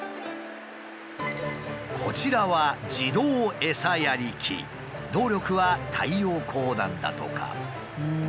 こちらは動力は太陽光なんだとか。